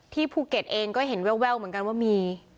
ภูเก็ตเองก็เห็นแววเหมือนกันว่ามี